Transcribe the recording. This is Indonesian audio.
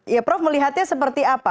ya prof melihatnya seperti apa